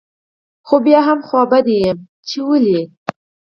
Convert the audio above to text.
خو بيا هم خپه يم چي ولي